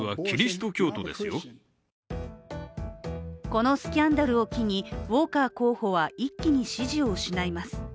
このスキャンダルを機に、ウォーカー候補は一気に支持を失います。